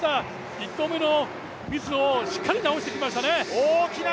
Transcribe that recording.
１投目のミスをしっかり直してきましたね。